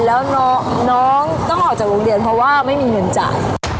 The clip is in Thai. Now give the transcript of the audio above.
แล้วน้องต้องออกจากโรงเรียนเพราะว่าไม่มีเงินจ่าย